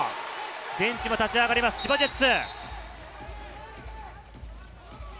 ベンチも立ち上がります、千葉ジェッツ。